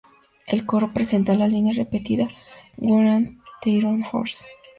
El coro presenta la línea repetida, "Who ran the Iron Horse?